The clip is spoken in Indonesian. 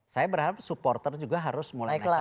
saya berharap supporter juga harus mulai latihan